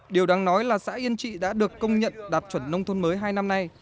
điều đáng nói là xã yên trị đã được công nhận đạt chuẩn nông thôn mới hai năm nay